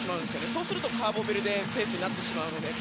そうするとカーボベルデペースになってしまうので。